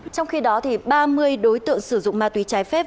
trong khi đó ba mươi đối tượng sử dụng ma túy trái phép